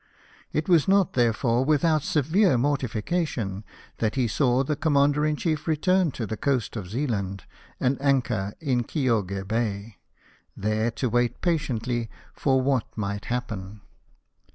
It was not, therefore, without severe mortification that he saw the Commander in Chief return to the coast of 256 LIFE OF NELSON. Zealand, and anchor in Kioge Bay — there to wait patiently for what might happen.